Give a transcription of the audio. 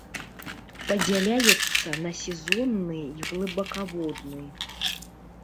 Падзяляецца на сезонны і глыбакаводны.